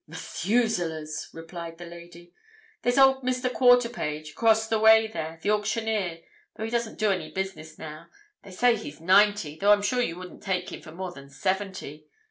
"Methuselahs," replied the lady. "There's old Mr. Quarterpage, across the way there, the auctioneer, though he doesn't do any business now—they say he's ninety, though I'm sure you wouldn't take him for more than seventy.